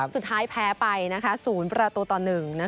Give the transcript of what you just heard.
สุดท้ายแพ้ไปสูญประตูต่อหนึ่ง